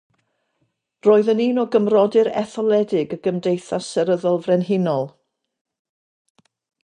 Roedd yn un o gymrodyr etholedig y Gymdeithas Seryddol Frenhinol.